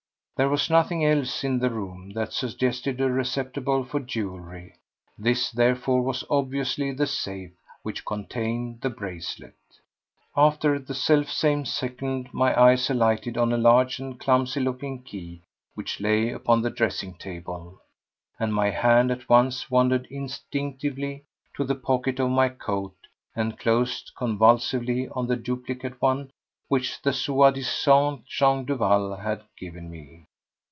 There was nothing else in the room that suggested a receptacle for jewellery; this, therefore, was obviously the safe which contained the bracelet. At the self same second my eyes alighted on a large and clumsy looking key which lay upon the dressing table, and my hand at once wandered instinctively to the pocket of my coat and closed convulsively on the duplicate one which the soi disant Jean Duval had given me.